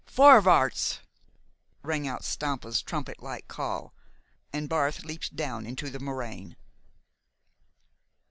"Vorwärtz!" rang out Stampa's trumpet like call, and Barth leaped down into the moraine.